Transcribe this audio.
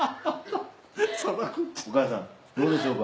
お母さんどうでしょうか？